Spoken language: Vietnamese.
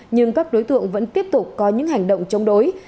nhưng các đối tượng vẫn tiếp tục có những hành động chống đối